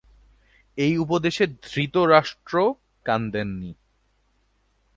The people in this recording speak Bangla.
এই উপদেশে ধৃতরাষ্ট্র কান দেন নি।